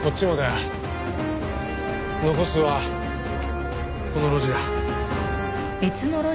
残すはこの路地だ。